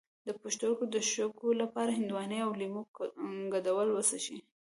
د پښتورګو د شګو لپاره د هندواڼې او لیمو ګډول وڅښئ